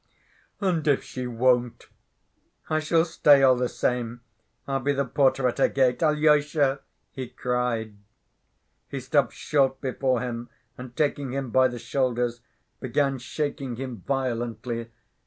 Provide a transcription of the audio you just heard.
And if she won't, I shall stay all the same. I'll be the porter at her gate. Alyosha!" he cried. He stopped short before him, and taking him by the shoulders began shaking him violently.